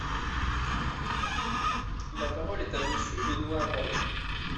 La parole est à Monsieur Benoist Apparu.